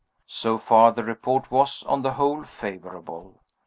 So far the report was, on the whole, favorable.